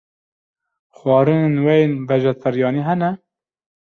Xwarinên we yên vejeteryanî hene?